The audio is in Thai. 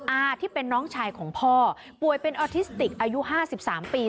อาที่เป็นน้องชายของพ่อป่วยเป็นออทิสติกอายุ๕๓ปี